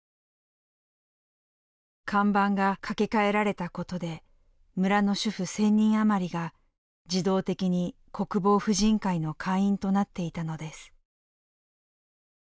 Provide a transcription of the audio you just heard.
看板が掛け替えられたことで村の主婦１，０００人余りが自動的に国防婦人会の会員となっていたのです。